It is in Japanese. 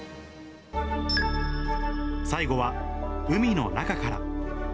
最後は、海の中から。